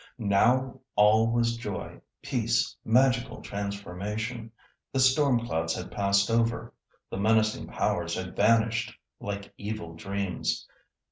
Now all was joy, peace, magical transformation. The storm clouds had passed over, the menacing powers had vanished like evil dreams.